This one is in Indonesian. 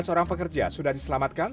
empat belas orang pekerja sudah diselamatkan